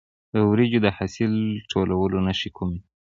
د وریجو د حاصل ټولولو نښې کومې دي؟